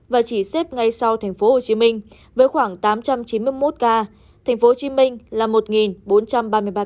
và chỉ xếp ngay sau tp hcm với khoảng tám trăm chín mươi một ca tp hcm là một bốn trăm ba mươi ba ca